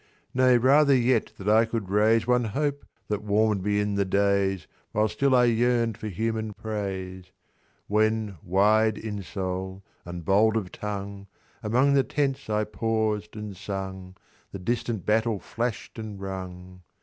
"Nay—rather yet that I could raise One hope that warm'd me in the days While still I yearn'd for human praise. "When, wide in soul, and bold of tongue, Among the tents I paused and sung, The distant battle flash'd and rung.